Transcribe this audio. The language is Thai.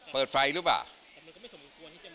เปิดไฟหรือยังไง